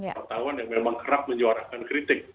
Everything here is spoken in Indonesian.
pertahuan yang memang kerap menyorakkan kritik